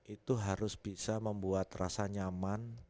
itu harus bisa membuat rasa nyaman